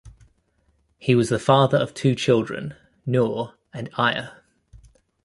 He was the father of two children, Nour and Aya.